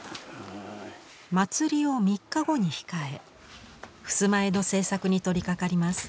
祭りを３日後に控え襖絵の制作に取りかかります。